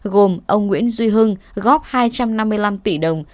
gồm ông nguyễn duy hưng góp hai trăm năm mươi năm tỷ đồng